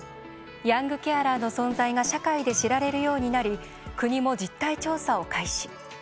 ヤングケアラーの存在が社会で知られるようになり国も実態調査を開始。